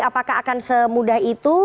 apakah akan semudah itu